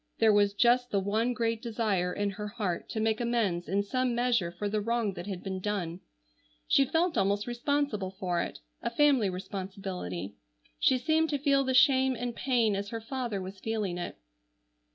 There was just the one great desire in her heart to make amends in some measure for the wrong that had been done. She felt almost responsible for it, a family responsibility. She seemed to feel the shame and pain as her father was feeling it.